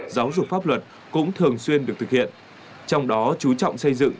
giáo dục pháp luật cũng thường xuyên được thực hiện trong đó chú trọng xây dựng